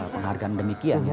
penghargaan demikian ya